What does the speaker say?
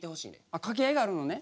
あ掛け合いがあるのね。